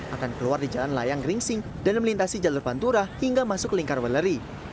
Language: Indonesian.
akan keluar di jalan layang gringsing dan melintasi jalur pantura hingga masuk lingkar weleri